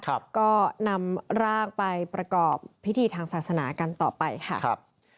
ก็นำร่างไปประกอบพิธีทางศาสนากันต่อไปค่ะครับ